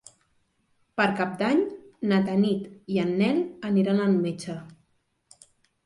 Per Cap d'Any na Tanit i en Nel aniran al metge.